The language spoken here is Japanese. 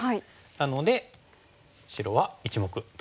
なので白は１目取ります。